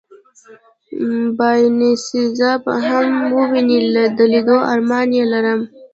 باینیسیزا به هم ووینې، د لېدو ارمان یې لرم.